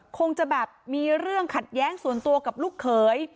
คงจะแบบมีเรื่องขัดแย้งส่วนตัวกับลูกเขย